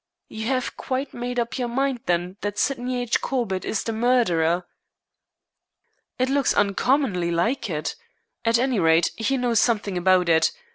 "You have quite made up your mind, then, that Sydney H. Corbett is the murderer?" "It looks uncommonly like it. At any rate, he knows something about it.